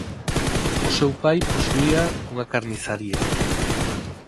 O seu pai posuía unha carnizaría.